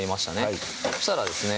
はいそしたらですね